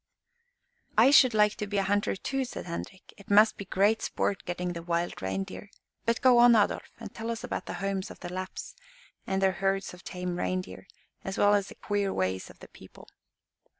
"I should like to be a hunter, too," said Henrik. "It must be great sport getting the wild reindeer. But go on, Adolf, and tell us about the homes of the Lapps, and their herds of tame reindeer, as well as the queer ways of the people."